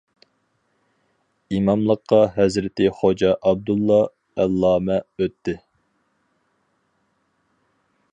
ئىماملىققا ھەزرىتى خوجا ئابدۇللا ئەللامە ئۆتتى.